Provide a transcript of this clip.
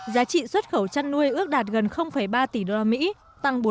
giá trị xuất khẩu chăn nuôi ước đạt gần ba tỷ usd tăng bốn